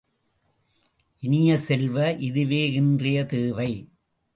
இனிய செல்வ, இதுவே இன்றை தேவை!